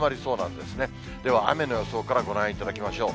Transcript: では、雨の予想からご覧いただきましょう。